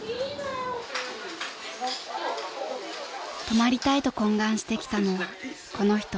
［泊まりたいと懇願してきたのはこの人］